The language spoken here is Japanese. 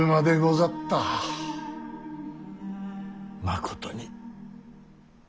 まことに。